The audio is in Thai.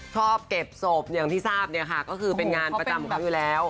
ชอบเก็บสบอย่างที่สาบก็คือเป็นงานประจำของเขาอยู่แล้ว